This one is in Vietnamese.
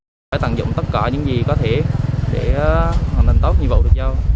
chúng tôi phải tận dụng tất cả những gì có thể để hoàn thành tốt nhiệm vụ được đâu